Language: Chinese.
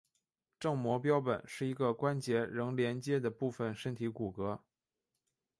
正模标本是一个关节仍连阶的部分身体骨骼。